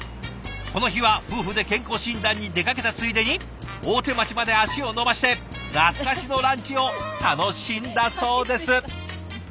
この日は夫婦で健康診断に出かけたついでに大手町まで足を延ばして懐かしのランチを楽しんだそうです。